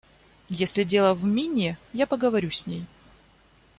Если дело в Минни, я поговорю с ней.